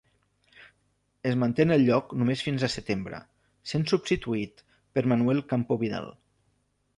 Es manté en el lloc només fins a setembre, sent substituït per Manuel Campo Vidal.